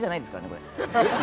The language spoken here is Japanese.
これ。